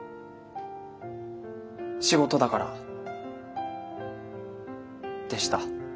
仕事だからでした。